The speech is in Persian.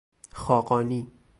خاقانی